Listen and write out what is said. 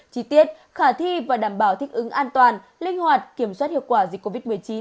chi tiết khả thi và đảm bảo thích ứng an toàn linh hoạt kiểm soát hiệu quả dịch covid một mươi chín